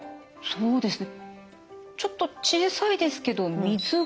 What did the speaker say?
そうですね